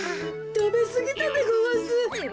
たべすぎたでごわす。